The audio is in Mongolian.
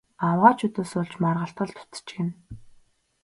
Авгайчуудаас болж маргалдах л дутаж гэнэ.